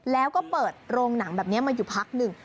แล้วก็เปิดโรงหนังแบบนี้มาอยู่พักหนึ่ง